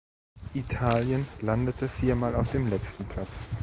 Italien landete viermal auf dem letzten Platz.